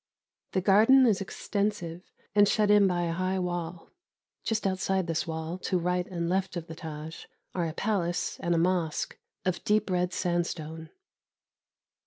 The garden is extensive, and shut in by a high wall. Just outside this wall, to right and left of the Tâj, are a palace and a mosque of deep red sandstone.